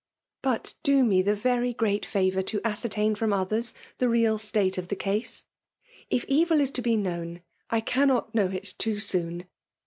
But do me the very great favour to ascertain from others the real state of the esse. If evil is to be known, I Cannot know it too soon.